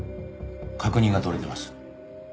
確認が取れてます。